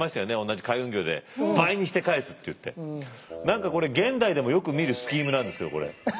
何かこれ現代でもよく見るスキームなんですけどこれ。